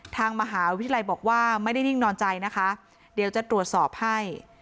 ทางมหาวิทยาลัยบอกว่าไม่ได้นิ่งนอนใจนะคะเดี๋ยวจะตรวจสอบให้